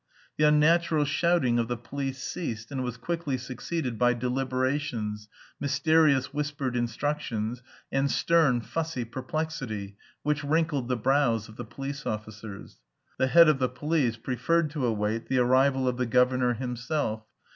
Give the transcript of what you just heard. The unnatural shouting of the police ceased, and was quickly succeeded by deliberations, mysterious whispered instructions, and stern, fussy perplexity, which wrinkled the brows of the police officers. The head of the police preferred to await the arrival of the "governor himself."